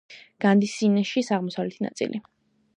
განდისიშანის აღმოსავლეთი ნაწილი.